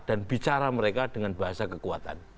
dan bicara mereka dengan bahasa kekuatan